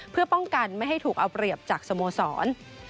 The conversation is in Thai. เพื่อป้องกันไม่ให้ถูกเอาเปรียบจากสโมสร